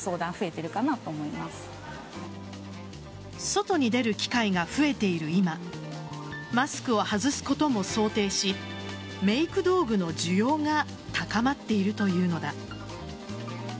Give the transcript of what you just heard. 外に出る機会が増えている今マスクを外すことも想定しメイク道具の需要が高まっているというのだ。